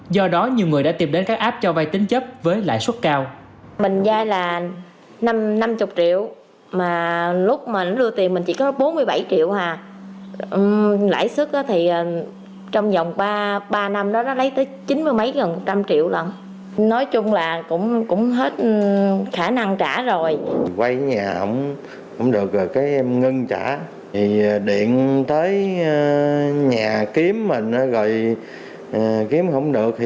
do đó nhiều người đã tìm đến các app cho vay tính chấp với lãi suất cao